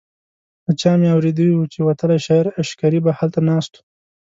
له چا مې اورېدي وو چې وتلی شاعر عشقري به هلته ناست و.